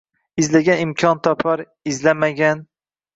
Izlagan imkon topar, izlamagan...ng